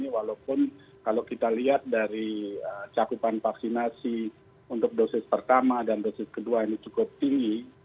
walaupun kalau kita lihat dari cakupan vaksinasi untuk dosis pertama dan dosis kedua ini cukup tinggi